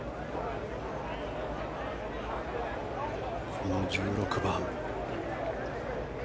この１６番。